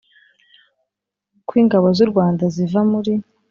kw ingabo z u Rwanda ziva muri